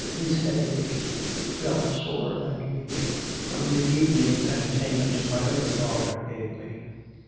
His head ached, he felt sore and weak "from the evening's entertainment my other daughter gave me."